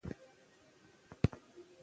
زه چای او شیدې خوښوم.